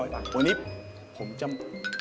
วันนี้ผมจะ